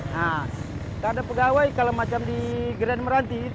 nah ada pegawai kalau macam di grand meranti